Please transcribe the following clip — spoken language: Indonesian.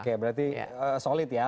oke berarti solid ya